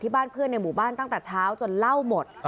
บ้านเพื่อนในหมู่บ้านตั้งแต่เช้าจนเล่าหมด